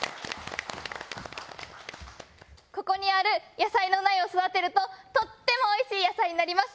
ここにある野菜の苗を育てるととってもおいしい野菜になります。